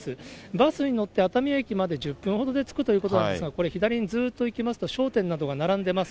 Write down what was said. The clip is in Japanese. バスに乗って熱海駅まで１０分ほどで着くということなんですが、これ、左にずーっと行きますと、商店などが並んでます。